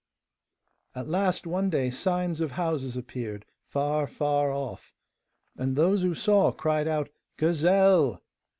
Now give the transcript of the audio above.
At last one day signs of houses appeared, far, far off. And those who saw cried out, 'Gazelle!